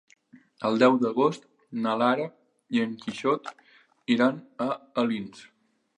El deu d'agost na Lara i en Quixot iran a Alins.